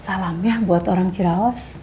salamnya buat orang ciraos